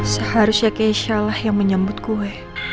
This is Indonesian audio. seharusnya keisha lah yang menyambut kue